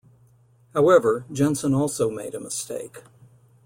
However, Jensen also made a mistake.